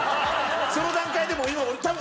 その段階でもう今多分。